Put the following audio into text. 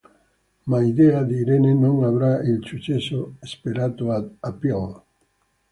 Ma l'idea di Irene non avrà il successo sperato ad "Appeal".